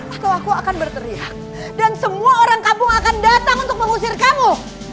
atau aku akan berteriak dan semua orang kampung akan datang untuk mengusir kamu